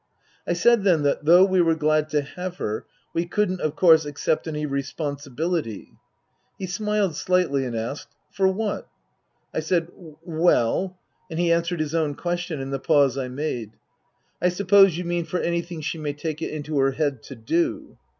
I said then that though we were glad to have her we couldn't, of course, accept any responsibility He smiled slightly and asked, " For what ?" I said, " Well " And he answered his own question in the pause I made. " I suppose you mean for anything she may take it into her head to do